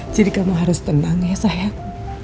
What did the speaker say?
jadi kamu harus tenang ya sayang